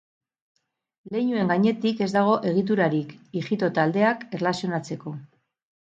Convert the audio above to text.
Leinuen gainetik ez dago egiturarik, ijito taldeak erlazionatzeko.